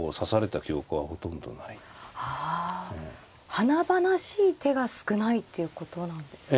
華々しい手が少ないっていうことなんですね。